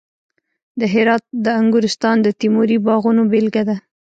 د هرات د انګورستان د تیموري باغونو بېلګه ده